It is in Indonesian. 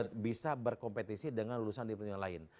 artinya bisa berkompetisi dengan lulusan di perguruan tinggi yang lain